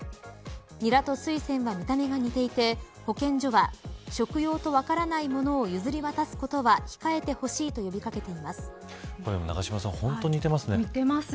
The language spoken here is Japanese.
ニラとスイセンは見た目が似ていて保健所は、食用と分からないものを譲り渡すことは控えてほしいと呼び掛けています。